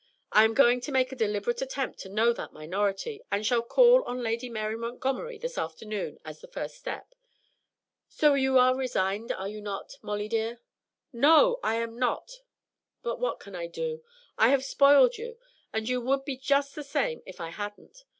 I am going to make a deliberate attempt to know that minority, and shall call on Lady Mary Montgomery this afternoon as the first step. So you are resigned, are you not, Molly dear?" "No, I am not! But what can I do? I have spoiled you, and you would be just the same if I hadn't.